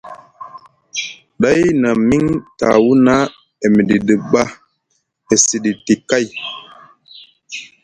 Ɗay na miŋ tawuna e miɗiɗi ɓa e siɗiti kay.